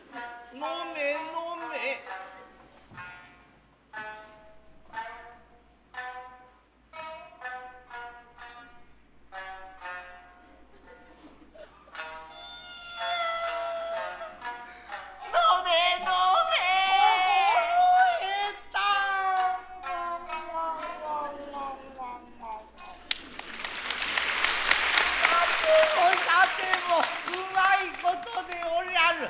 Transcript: さてもさても旨いことでおりやる。